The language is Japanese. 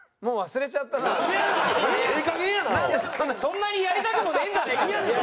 そんなにやりたくもねえんじゃねえかじゃあ。